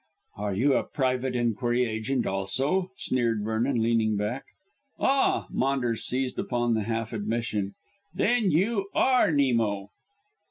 "Are you a private enquiry agent also?" sneered Vernon, leaning back. "Ah!" Maunders seized upon the half admission. "Then you are Nemo?"